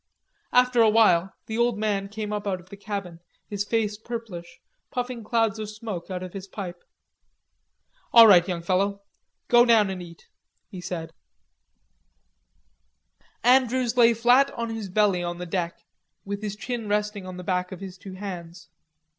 After a while the old man came up out of the cabin, his face purplish, puffing clouds of smoke out of his pipe. "All right, young fellow, go down and eat," he said. Andrews lay flat on his belly on the deck, with his chin resting on the back of his two hands.